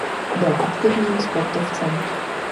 Byl aktivním sportovcem.